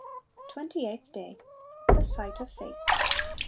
Twenty eighth Day. The Sight of Faith.